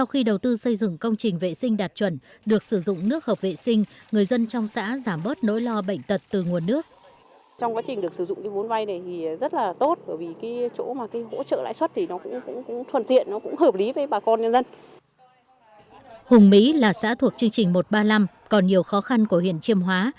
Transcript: hùng mỹ là xã thuộc chương trình một trăm ba mươi năm còn nhiều khó khăn của huyện chiêm hóa